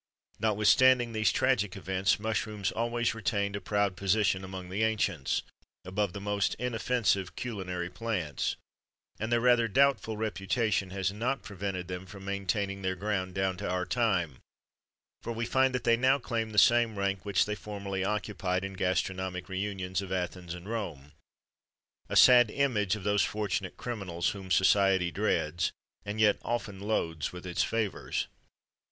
Notwithstanding these tragical events, mushrooms always retained a proud position, among the ancients, above the most inoffensive culinary plants; and their rather doubtful reputation has not prevented them from maintaining their ground down to our time, for we find that they now claim the same rank which they formerly occupied in the gastronomic réunions of Athens and Rome: a sad image of those fortunate criminals, whom society dreads, and yet often loads with its favours.